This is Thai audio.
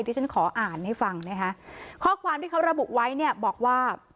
ที่ฉันขออ่านให้ฟังนะคะข้อความที่เขาระบุไว้เนี่ยบอกว่า